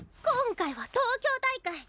今回は東京大会！